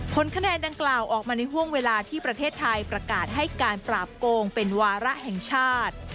ผลคะแนนดังกล่าวออกมาในห่วงเวลาที่ประเทศไทยประกาศให้การปราบโกงเป็นวาระแห่งชาติ